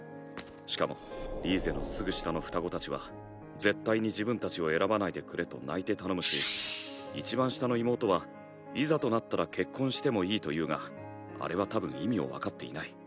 しかもリーゼのすぐ下の双子たちは絶対に自分たちを選ばないでくれと泣いて頼むしいちばん下の妹はいざとなったら結婚してもいいと言うがあれはたぶん意味を分かっていない。